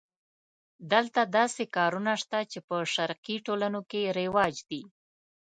دلته داسې کارونه شته چې په شرقي ټولنو کې رواج دي.